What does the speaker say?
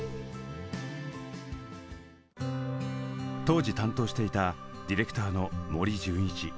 当時担当していたディレクターの森淳一。